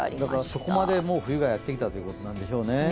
そこまで冬がやってきたということなんでしょうね。